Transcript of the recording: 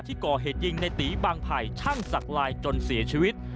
ที่ก่อเหตุยิงในตีบางไผ่ชั่งสักลายจนเสียชีวิต